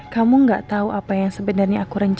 kamu gak tahu apa yang sebenarnya aku rencanakan